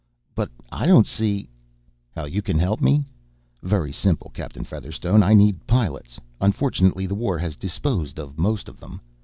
"But I don't see " "How you can help me? Very simple, Captain Featherstone. I need pilots. Unfortunately the war has disposed of most of them.